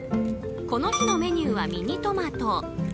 この日のメニューはミニトマト。